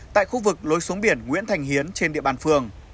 tại khu vực lối xuống biển nguyễn thành hiến trên địa bàn phường